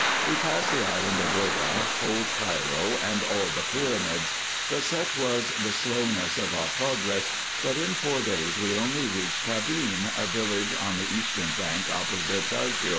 We passed the island of Roda, old Cairo, and all the pyramids : but such was the slowness of our progress, that in four days we only reached Tabeen, a village on the eastern bank, opposite Dajior.